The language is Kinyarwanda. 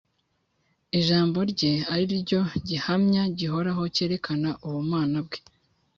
Ijambo rye, ari ryo gihamya gihoraho cyerekana Ubumana bwe